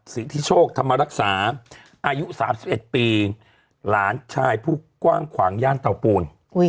สิทธิโชคธรรมรักษาอายุ๓๑ปีหลานชายผู้กว้างขวางย่านเตาปูน